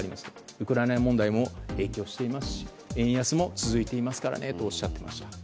ウクライナ問題も影響していますし円安も続いていますからねとおっしゃっていました。